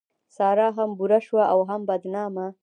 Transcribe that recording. سارا هم بوره شوه او هم بدنامه.